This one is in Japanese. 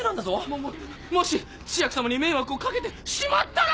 もももし千秋さまに迷惑をかけてしまったら。